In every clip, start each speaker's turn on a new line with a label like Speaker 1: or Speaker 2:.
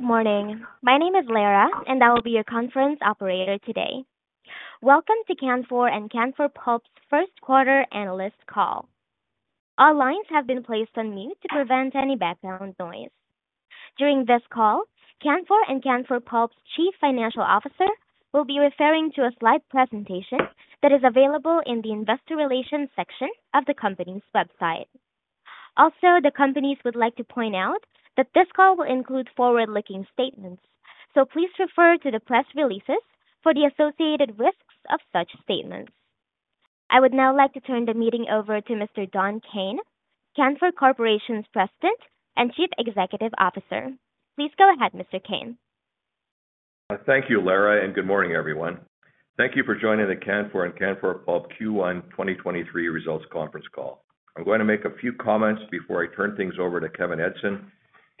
Speaker 1: Good morning. My name is Lara, I will be your conference operator today. Welcome to Canfor and Canfor Pulp's first quarter analyst call. All lines have been placed on mute to prevent any background noise. During this call, Canfor and Canfor Pulp's Chief Financial Officer will be referring to a slide presentation that is available in the investor relations section of the company's website. The companies would like to point out that this call will include forward-looking statements, please refer to the press releases for the associated risks of such statements. I would now like to turn the meeting over to Mr. Don Kayne, Canfor Corporation's President and Chief Executive Officer. Please go ahead, Mr. Kayne.
Speaker 2: Thank you, Lara. Good morning, everyone. Thank you for joining the Canfor and Canfor Pulp Q1 2023 results conference call. I'm going to make a few comments before I turn things over to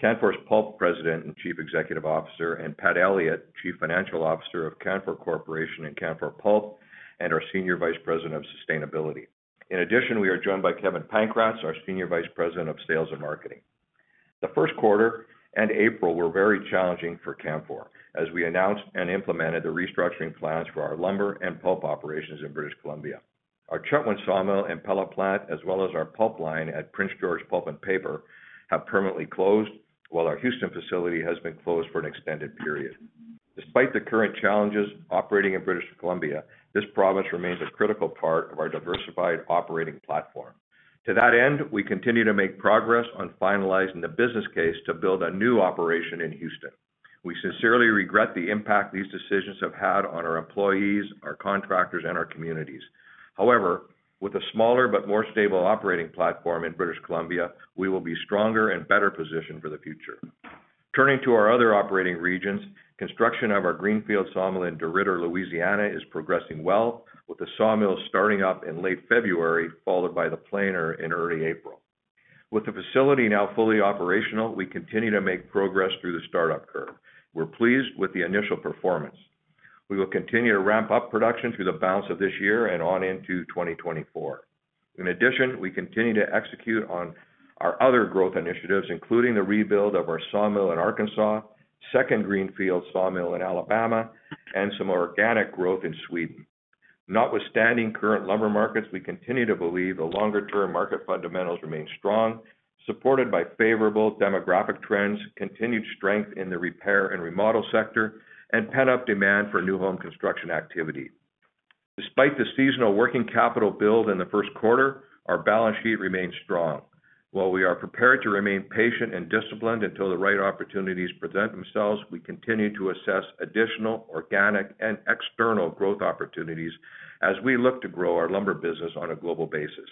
Speaker 2: Kevin Edgson, Canfor Pulp President and Chief Executive Officer, and Pat Elliott, Chief Financial Officer of Canfor Corporation and Canfor Pulp, and our Senior Vice President of Sustainability. In addition, we are joined by Kevin Pankratz, our Senior Vice President of Sales and Marketing. The first quarter and April were very challenging for Canfor as we announced and implemented the restructuring plans for our lumber and pulp operations in British Columbia. Our Chetwynd sawmill and pellet plant, as well as our pulp line at Prince George Pulp and Paper, have permanently closed, while our Houston facility has been closed for an extended period. Despite the current challenges operating in British Columbia, this province remains a critical part of our diversified operating platform. To that end, we continue to make progress on finalizing the business case to build a new operation in Houston. We sincerely regret the impact these decisions have had on our employees, our contractors, and our communities. However, with a smaller but more stable operating platform in British Columbia, we will be stronger and better positioned for the future. Turning to our other operating regions, construction of our Greenfield sawmill in DeRidder, Louisiana is progressing well, with the sawmill starting up in late February, followed by the planer in early April. With the facility now fully operational, we continue to make progress through the startup curve. We're pleased with the initial performance. We will continue to ramp up production through the balance of this year and on into 2024. In addition, we continue to execute on our other growth initiatives, including the rebuild of our sawmill in Arkansas, second Greenfield sawmill in Alabama, and some organic growth in Sweden. Notwithstanding current lumber markets, we continue to believe the longer-term market fundamentals remain strong, supported by favorable demographic trends, continued strength in the repair and remodel sector, and pent-up demand for new home construction activity. Despite the seasonal working capital build in the first quarter, our balance sheet remains strong. While we are prepared to remain patient and disciplined until the right opportunities present themselves, we continue to assess additional organic and external growth opportunities as we look to grow our lumber business on a global basis.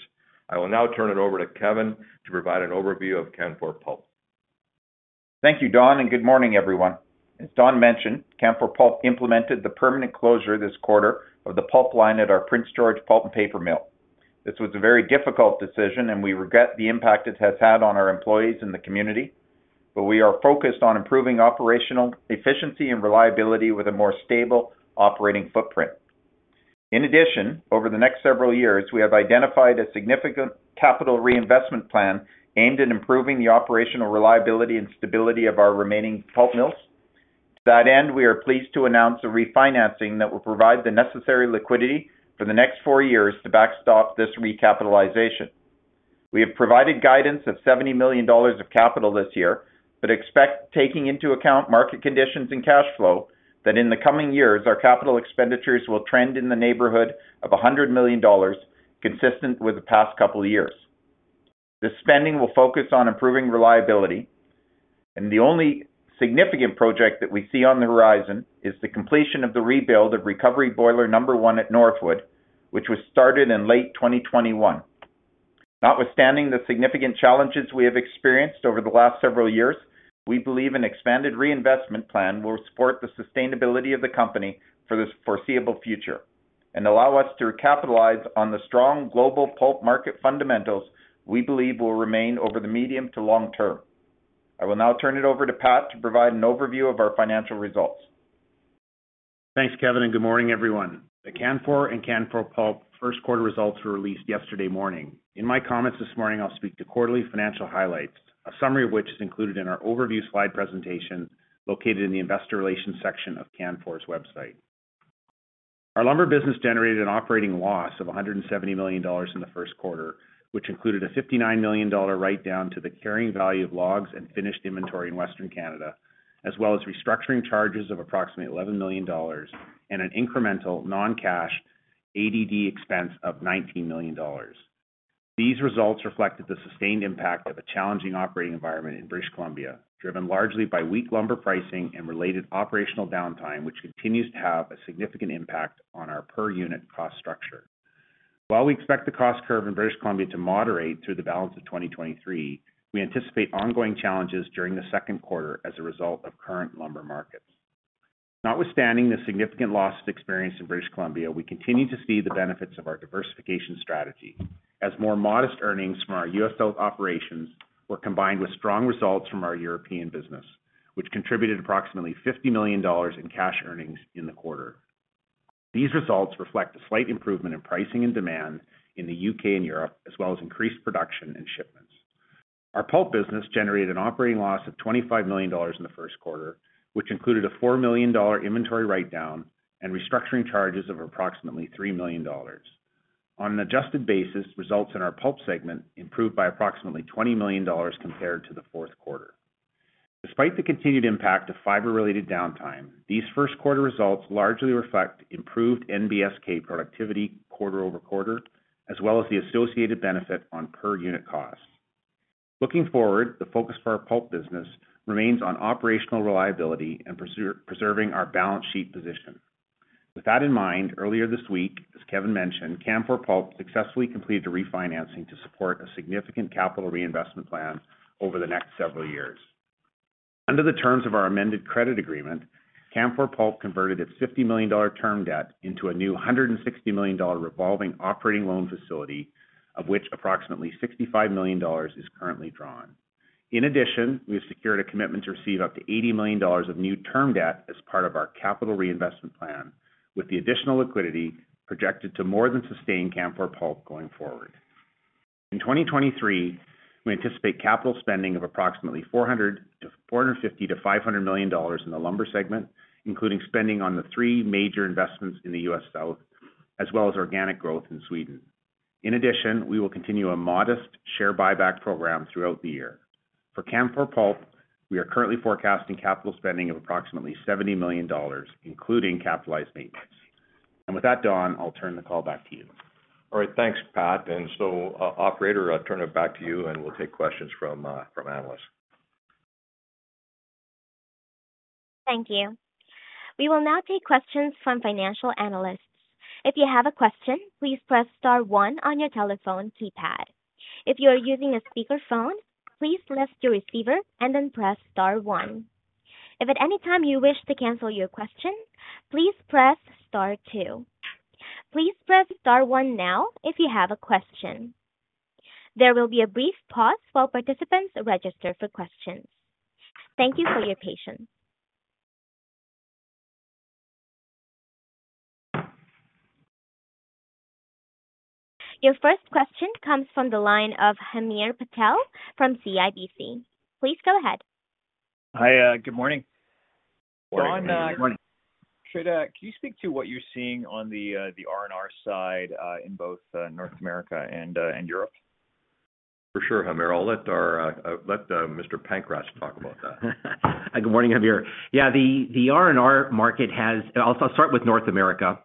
Speaker 2: I will now turn it over to Kevin to provide an overview of Canfor Pulp.
Speaker 3: Thank you, Don. Good morning, everyone. As Don mentioned, Canfor Pulp implemented the permanent closure this quarter of the pulp line at our Prince George Pulp and Paper mill. This was a very difficult decision, and we regret the impact it has had on our employees in the community, but we are focused on improving operational efficiency and reliability with a more stable operating footprint. In addition, over the next several years, we have identified a significant capital reinvestment plan aimed at improving the operational reliability and stability of our remaining pulp mills. To that end, we are pleased to announce a refinancing that will provide the necessary liquidity for the next 4 years to backstop this recapitalization. We have provided guidance of 70 million dollars of capital this year, expect taking into account market conditions and cash flow that in the coming years our capital expenditures will trend in the neighborhood of 100 million dollars, consistent with the past couple of years. This spending will focus on improving reliability, the only significant project that we see on the horizon is the completion of the rebuild of recovery boiler number one at Northwood, which was started in late 2021. Notwithstanding the significant challenges we have experienced over the last several years, we believe an expanded reinvestment plan will support the sustainability of the company for the foreseeable future and allow us to capitalize on the strong global pulp market fundamentals we believe will remain over the medium to long term.I will now turn it over to Pat to provide an overview of our financial results.
Speaker 4: Thanks, Kevin, good morning, everyone. The Canfor and Canfor Pulp first quarter results were released yesterday morning. In my comments this morning, I'll speak to quarterly financial highlights, a summary of which is included in our overview slide presentation located in the investor relations section of Canfor's website. Our lumber business generated an operating loss of 170 million dollars in the first quarter, which included a 59 million dollar write-down to the carrying value of logs and finished inventory in Western Canada, as well as restructuring charges of approximately 11 million dollars and an incremental non-cash ADD expense of 19 million dollars. These results reflected the sustained impact of a challenging operating environment in British Columbia, driven largely by weak lumber pricing and related operational downtime, which continues to have a significant impact on our per-unit cost structure. While we expect the cost curve in British Columbia to moderate through the balance of 2023, we anticipate ongoing challenges during the second quarter as a result of current lumber markets. Notwithstanding the significant losses experienced in British Columbia, we continue to see the benefits of our diversification strategy as more modest earnings from our US South operations were combined with strong results from our European business, which contributed approximately 50 million dollars in cash earnings in the quarter. These results reflect a slight improvement in pricing and demand in the UK and Europe, as well as increased production and shipments. Our pulp business generated an operating loss of 25 million dollars in the first quarter, which included a 4 million dollar inventory write-down and restructuring charges of approximately 3 million dollars. On an adjusted basis, results in our pulp segment improved by approximately 20 million dollars compared to the fourth quarter. Despite the continued impact of fiber-related downtime, these first quarter results largely reflect improved NBSK productivity quarter-over-quarter, as well as the associated benefit on per unit costs. Looking forward, the focus for our pulp business remains on operational reliability and preserving our balance sheet position. With that in mind, earlier this week, as Kevin mentioned, Canfor Pulp successfully completed a refinancing to support a significant capital reinvestment plan over the next several years. Under the terms of our amended credit agreement, Canfor Pulp converted its 50 million dollar term debt into a new 160 million dollar revolving operating loan facility, of which approximately 65 million dollars is currently drawn. We have secured a commitment to receive up to 80 million dollars of new term debt as part of our capital reinvestment plan, with the additional liquidity projected to more than sustain Canfor Pulp going forward. In 2023, we anticipate capital spending of approximately $450 million-$500 million in the lumber segment, including spending on the three major investments in the U.S. South, as well as organic growth in Sweden. We will continue a modest share buyback program throughout the year. For Canfor Pulp, we are currently forecasting capital spending of approximately 70 million dollars, including capitalized maintenance. With that, Don, I'll turn the call back to you.
Speaker 2: All right, thanks, Pat. Operator, I'll turn it back to you, and we'll take questions from analysts.
Speaker 1: Thank you. We will now take questions from financial analysts. If you have a question, please press star one on your telephone keypad. If you are using a speakerphone, please lift your receiver and then press star one. If at any time you wish to cancel your question, please press star two. Please press star one now if you have a question. There will be a brief pause while participants register for questions. Thank you for your patience. Your first question comes from the line of Hamir Patel from CIBC. Please go ahead.
Speaker 5: Hi, good morning.
Speaker 2: Good morning.
Speaker 5: Don, can you speak to what you're seeing on the R&R side, in both North America and Europe?
Speaker 2: For sure, Hamir. I'll let Mr. Pankratz talk about that.
Speaker 6: Good morning, Hamir. Yeah, the R&R market. So I'll start with North America,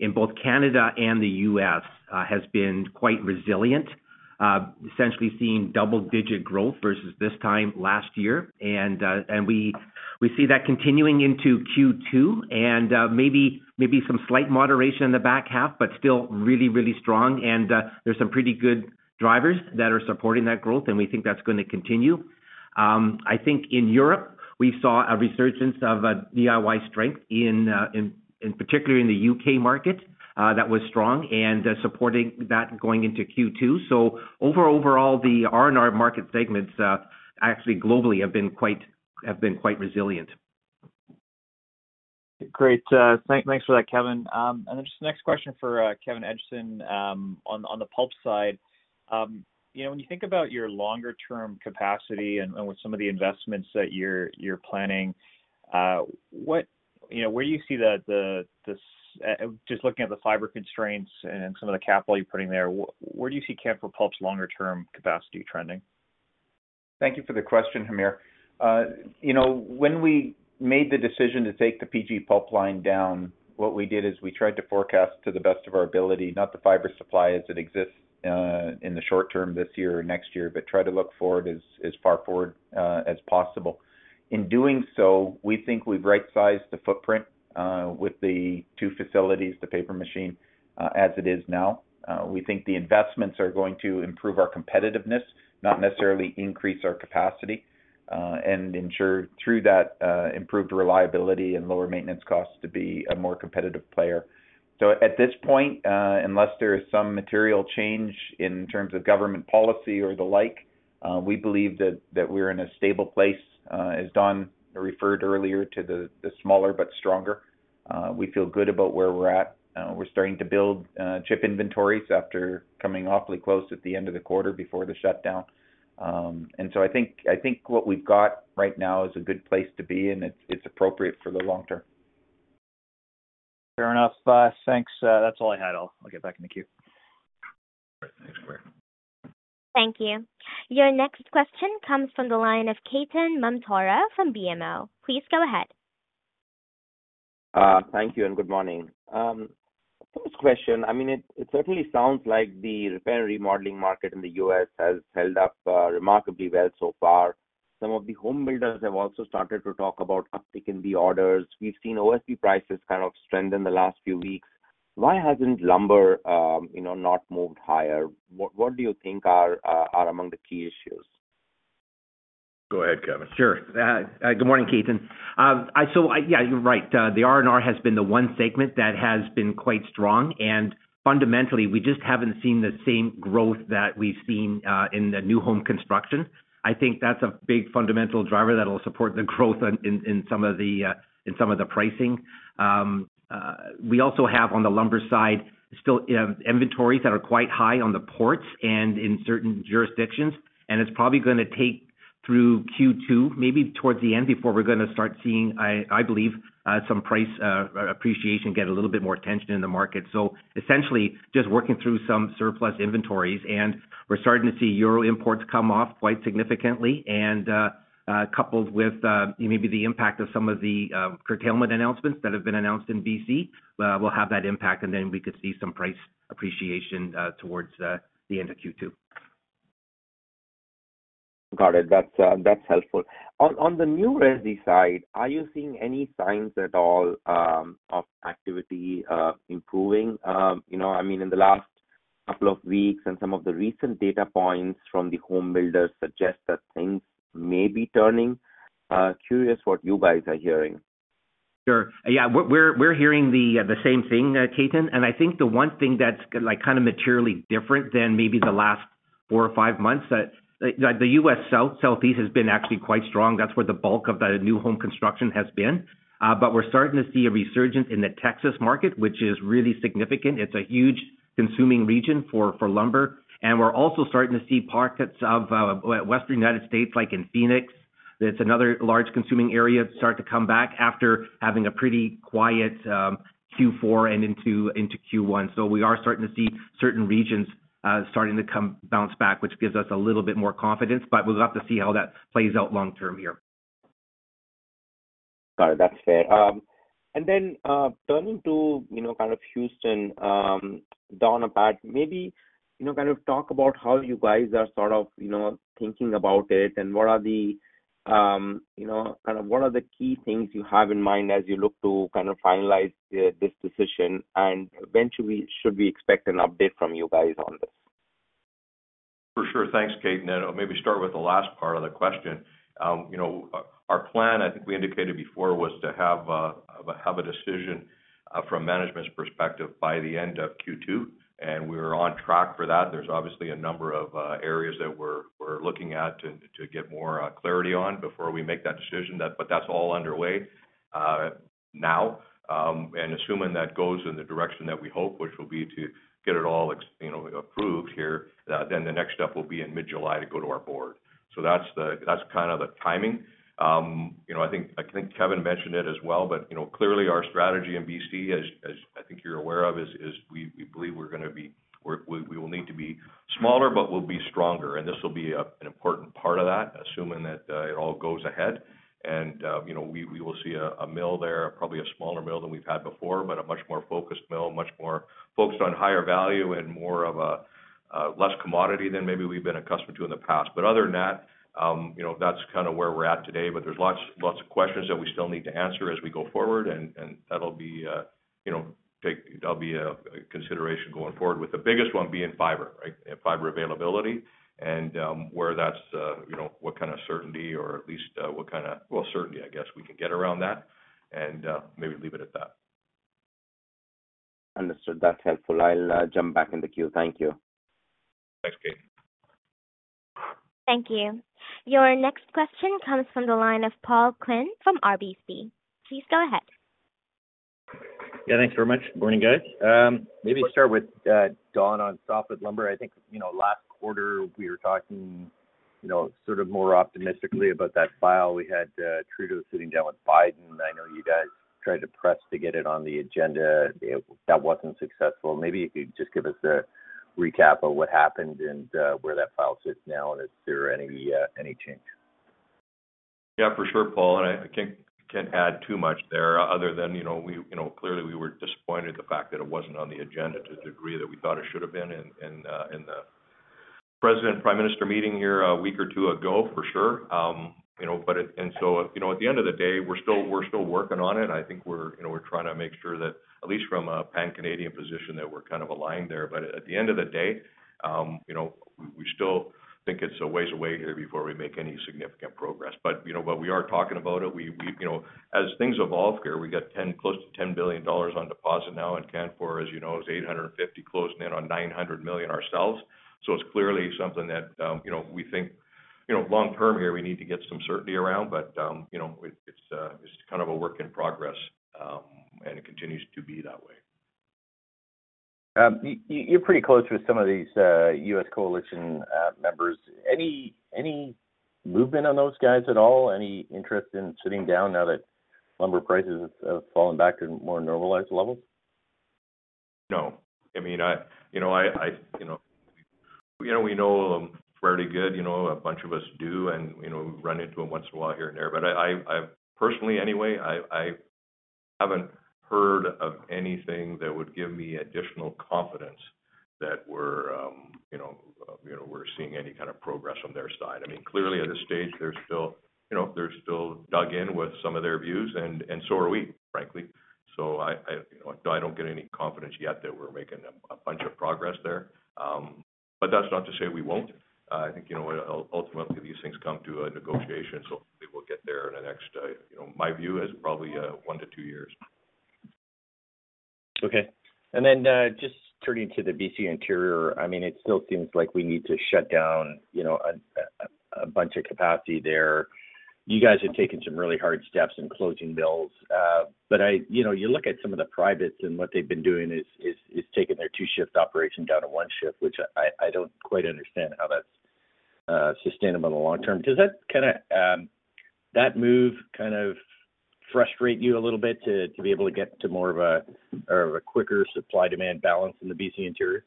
Speaker 6: in both Canada and the U.S., has been quite resilient, essentially seeing double-digit growth versus this time last year. We see that continuing into Q2 and maybe some slight moderation in the back half, but still really, really strong. There's some pretty good drivers that are supporting that growth, and we think that's gonna continue. I think in Europe, we saw a resurgence of DIY strength in particular in the U.K. market that was strong and supporting that going into Q2. Overall, the R&R market segments actually globally have been quite resilient.
Speaker 5: Great. Thanks for that, Kevin. Then just the next question for Kevin Edgson on the pulp side. You know, when you think about your longer term capacity and with some of the investments that you're planning, you know, where do you see the, just looking at the fiber constraints and some of the capital you're putting there, where do you see Canfor Pulp's longer term capacity trending?
Speaker 3: Thank you for the question, Hamir. you know, when we made the decision to take the PG pulp line down, what we did is we tried to forecast to the best of our ability, not the fiber supply as it exists in the short term this year or next year, but try to look as far forward as possible. In doing so, we think we've right-sized the footprint with the two facilities, the paper machine, as it is now. We think the investments are going to improve our competitiveness, not necessarily increase our capacity, and ensure through that improved reliability and lower maintenance costs to be a more competitive player. At this point, unless there is some material change in terms of government policy or the like, we believe that we're in a stable place. As Don referred earlier to the smaller but stronger, we feel good about where we're at. We're starting to build chip inventories after coming awfully close at the end of the quarter before the shutdown. I think what we've got right now is a good place to be, and it's appropriate for the long term.
Speaker 5: Fair enough. Thanks. That's all I had. I'll get back in the queue.
Speaker 2: All right. Thanks, Hamir.
Speaker 1: Thank you. Your next question comes from the line of Ketan Mamtora from BMO. Please go ahead.
Speaker 7: Thank you and good morning. First question, I mean, it certainly sounds like the repair and remodeling market in the U.S. has held up remarkably well so far. Some of the home builders have also started to talk about uptick in the orders. We've seen OSB prices kind of strengthen the last few weeks. Why hasn't lumber, you know, not moved higher? What do you think are among the key issues?
Speaker 2: Go ahead, Kevin.
Speaker 6: Sure. Good morning, Ketan. Yeah, you're right. The R&R has been the one segment that has been quite strong. Fundamentally, we just haven't seen the same growth that we've seen in the new home construction. I think that's a big fundamental driver that'll support the growth in some of the pricing. We also have on the lumber side still inventories that are quite high on the ports and in certain jurisdictions. It's probably gonna take through Q2, maybe towards the end, before we're gonna start seeing, I believe, some price appreciation get a little bit more attention in the market. Essentially just working through some surplus inventories, and we're starting to see Euro imports come off quite significantly and coupled with maybe the impact of some of the curtailment announcements that have been announced in BC, will have that impact, and then we could see some price appreciation towards the end of Q2.
Speaker 7: Got it. That's, that's helpful. On the new resi side, are you seeing any signs at all, of activity, improving? You know, I mean, in the last couple of weeks and some of the recent data points from the home builders suggest that things may be turning. Curious what you guys are hearing.
Speaker 6: Sure. Yeah. We're hearing the same thing, Ketan. I think the one thing that's like, kind of materially different than maybe the last four or five months that the U.S. South, Southeast has been actually quite strong. That's where the bulk of the new home construction has been. We're starting to see a resurgence in the Texas market, which is really significant. It's a huge consuming region for lumber. We're also starting to see pockets of western United States, like in Phoenix. That's another large consuming area start to come back after having a pretty quiet Q4 and into Q1. We are starting to see certain regions starting to come bounce back, which gives us a little bit more confidence, but we'd love to see how that plays out long term here.
Speaker 7: Got it. That's fair. Turning to, you know, kind of Houston, Don, about maybe, you know, kind of talk about how you guys are sort of, you know, thinking about it and what are the, you know, kind of what are the key things you have in mind as you look to kind of finalize this decision, and eventually, should we expect an update from you guys on this?
Speaker 2: For sure. Thanks, Ketan, and I'll maybe start with the last part of the question. you know, our plan, I think we indicated before, was to have a, have a, have a decision, from management's perspective by the end of Q2, and we're on track for that. There's obviously a number of, areas that we're looking at to get more, clarity on before we make that decision. That's all underway, now. Assuming that goes in the direction that we hope, which will be to get it all you know, approved here, then the next step will be in mid-July to go to our board. That's the, that's kind of the timing. You know, I think Kevin mentioned it as well, but you know, clearly our strategy in BC as I think you're aware of, is we believe we're gonna be... We will need to be smaller, but we'll be stronger. This will be a, an important part of that, assuming that it all goes ahead. You know, we will see a mill there, probably a smaller mill than we've had before, but a much more focused mill, much more focused on higher value and more of a, less commodity than maybe we've been accustomed to in the past. Other than that, you know, that's kind of where we're at today. There's lots of questions that we still need to answer as we go forward, and that'll be, you know, that'll be a consideration going forward, with the biggest one being fiber, right? Fiber availability, where that's, you know, what kind of certainty or at least, Well, certainty, I guess, we can get around that and maybe leave it at that.
Speaker 7: Understood. That's helpful. I'll jump back in the queue. Thank you.
Speaker 2: Thanks, Ketan.
Speaker 1: Thank you. Your next question comes from the line of Paul Quinn from RBC. Please go ahead.
Speaker 8: Yeah, thanks very much. Morning, guys. Maybe start with Don on softwood lumber. I think, you know, last quarter we were talking, you know, sort of more optimistically about that file. We had Trudeau sitting down with Biden. I know you guys tried to press to get it on the agenda. That wasn't successful. Maybe if you could just give us a recap of what happened and where that file sits now, and is there any change?
Speaker 2: Yeah, for sure, Paul, I can't add too much there other than, you know, we, you know, clearly we were disappointed the fact that it wasn't on the agenda to the degree that we thought it should have been in the president and prime minister meeting here a week or two ago, for sure. You know, at the end of the day, we're still working on it. I think we're, you know, we're trying to make sure that at least from a pan-Canadian position, that we're kind of aligned there. At the end of the day, you know, we still think it's a ways away here before we make any significant progress. You know, we are talking about it. We, you know... As things evolve here, we got 10, close to 10 billion dollars on deposit now. Canfor, as you know, is 850 million, closing in on 900 million ourselves. It's clearly something that, you know, we think, you know, long term here, we need to get some certainty around. You know, it's kind of a work in progress, and it continues to be that way.
Speaker 8: You're pretty close with some of these U.S. Coalition members. Any movement on those guys at all? Any interest in sitting down now that lumber prices have fallen back to more normalized levels?
Speaker 2: No. I mean, I, you know, I, you know, we know fairly good, you know, a bunch of us do and, you know, run into them once in a while here and there. I've personally anyway, I haven't heard of anything that would give me additional confidence that we're, you know, we're seeing any kind of progress on their side. I mean, clearly at this stage, you know, they're still dug in with some of their views and so are we, frankly. I, you know, I don't get any confidence yet that we're making a bunch of progress there. That's not to say we won't. I think, you know, ultimately these things come to a negotiation, so hopefully we'll get there in the next, you know, my view is probably, 1-2 years.
Speaker 8: Okay. Just turning to the BC interior, I mean, it still seems like we need to shut down, you know, a bunch of capacity there. You guys have taken some really hard steps in closing mills. You know, you look at some of the privates and what they've been doing is taking their 2-shift operation down to 1 shift, which I don't quite understand how that's sustainable in the long term. Does that kinda that move kind of frustrate you a little bit to be able to get to more of a, or a quicker supply-demand balance in the BC interior?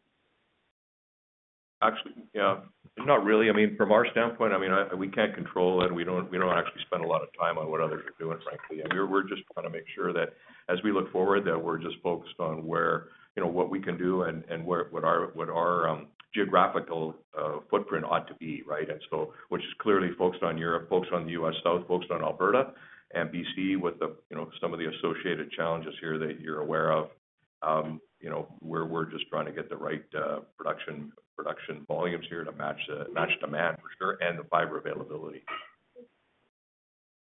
Speaker 2: Actually, yeah. Not really. I mean, from our standpoint, we can't control it. We don't actually spend a lot of time on what others are doing, frankly. I mean, we're just trying to make sure that as we look forward, that we're just focused on where, you know, what we can do and where what our geographical footprint ought to be, right? Which is clearly focused on Europe, focused on the U.S. South, focused on Alberta and BC with the, you know, some of the associated challenges here that you're aware of. You know, we're just trying to get the right production volumes here to match demand for sure and the fiber availability.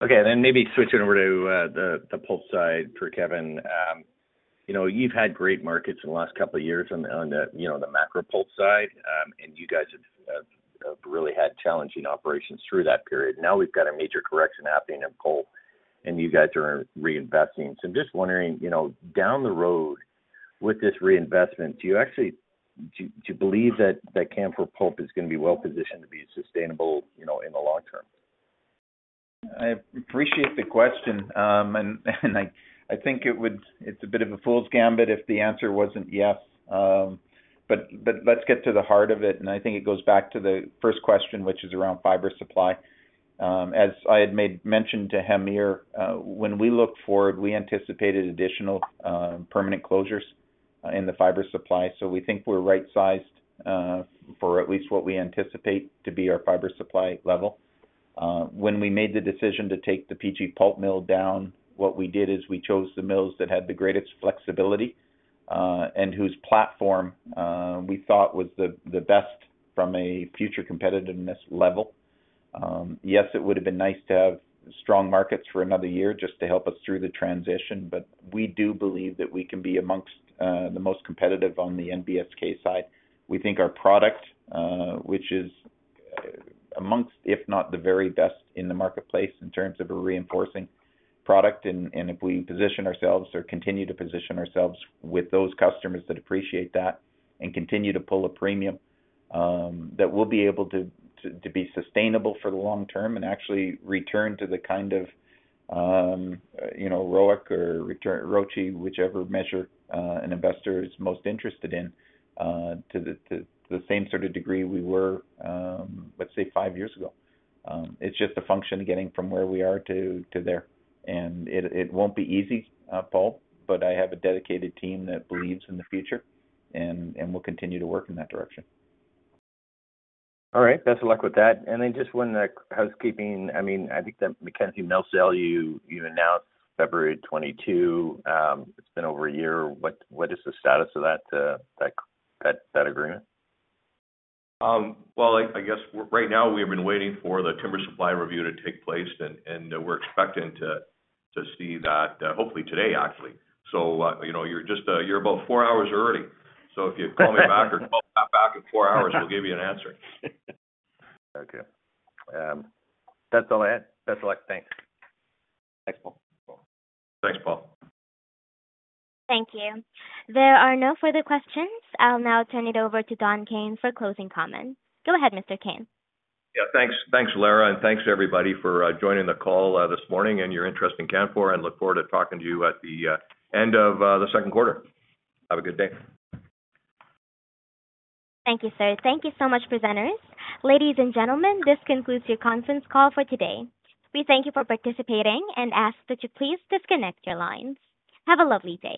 Speaker 8: Maybe switching over to the pulp side for Kevin. You know, you've had great markets in the last couple of years on the, on the, you know, the macro pulp side. And you guys have really had challenging operations through that period. Now we've got a major correction happening in pulp and you guys are reinvesting. I'm just wondering, you know, down the road with this reinvestment, do you actually believe that Canfor Pulp is gonna be well positioned to be sustainable, you know, in the long term?
Speaker 3: I appreciate the question. I think it's a bit of a fool's gambit if the answer wasn't yes. Let's get to the heart of it. I think it goes back to the 1st question, which is around fiber supply. As I had made mention to Hamir, when we look forward, we anticipated additional permanent closures in the fiber supply. We think we're right-sized for at least what we anticipate to be our fiber supply level. When we made the decision to take the PG Pulp mill down, what we did is we chose the mills that had the greatest flexibility, and whose platform we thought was the best from a future competitiveness level. Yes, it would have been nice to have strong markets for another year just to help us through the transition. We do believe that we can be amongst the most competitive on the NBSK side. We think our product, which is amongst, if not the very best in the marketplace in terms of a reinforcing product, and if we position ourselves or continue to position ourselves with those customers that appreciate that and continue to pull a premium, that we'll be able to be sustainable for the long term and actually return to the kind of, you know, ROIC or return ROIC, whichever measure an investor is most interested in, to the same sort of degree we were, let's say 5 years ago. It's just a function of getting from where we are to there. It won't be easy, Paul, but I have a dedicated team that believes in the future and will continue to work in that direction.
Speaker 8: All right. Best of luck with that. Just one housekeeping. I mean, I think the Mackenzie mill sale you announced February 2022. It's been over a year. What is the status of that agreement?
Speaker 2: Well, I guess right now we have been waiting for the timber supply review to take place and we're expecting to see that hopefully today actually. You know, you're just about four hours early. If you call me back or call Paul back in four hours, we'll give you an answer.
Speaker 8: Okay. That's all I had. Best of luck. Thanks.
Speaker 3: Thanks, Paul.
Speaker 2: Thanks, Paul.
Speaker 1: Thank you. There are no further questions. I'll now turn it over to Don Kayne for closing comments. Go ahead, Mr. Kayne.
Speaker 2: Yeah, thanks. Thanks, Lara, and thanks everybody for joining the call this morning and your interest in Canfor. I look forward to talking to you at the end of the second quarter. Have a good day.
Speaker 1: Thank you, sir. Thank you so much, presenters. Ladies and gentlemen, this concludes your conference call for today. We thank you for participating and ask that you please disconnect your lines. Have a lovely day.